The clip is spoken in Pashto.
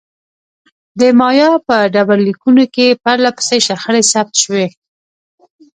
د مایا په ډبرلیکونو کې پرله پسې شخړې ثبت شوې.